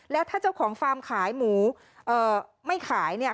แล้วถ้าเจ้าของฟาร์มขายหมูไม่ขายเนี่ย